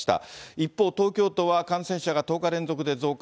一方、東京都は感染者が１０日連続で増加。